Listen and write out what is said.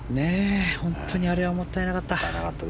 本当にあれはもったいなかった。